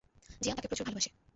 জিয়ান তাকে প্রচুর ভালোবাসে।